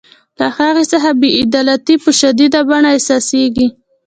له هغې څخه بې عدالتي په شدیده بڼه احساسیږي.